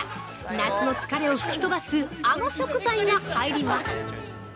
夏の疲れを吹き飛ばす、あの食材が入ります。